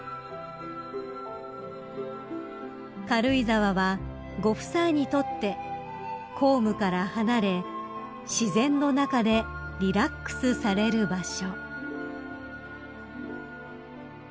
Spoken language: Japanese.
［軽井沢はご夫妻にとって公務から離れ自然の中でリラックスされる場所］